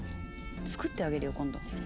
作ってあげるよ今度。